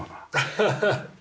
ハハハッ。